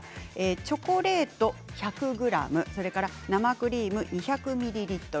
チョコレート１００ｇ生クリーム２００ミリリットル